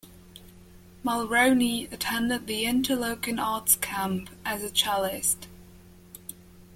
Mulroney attended the Interlochen Arts Camp as a cellist.